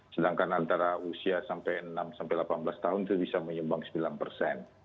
sedangkan antara usia sampai enam sampai delapan belas tahun itu bisa menyumbang sembilan persen